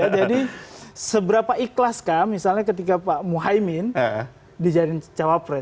jadi seberapa iklaskah misalnya ketika pak muhaymin di jariin cawapres